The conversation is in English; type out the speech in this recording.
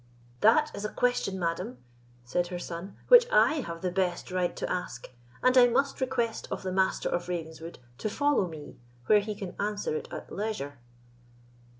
"That is a question, madam," said her son, "which I have the best right to ask; and I must request of the Master of Ravenswood to follow me where he can answer it at leisure."